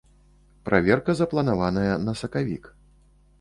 Праверка запланаваная на сакавік.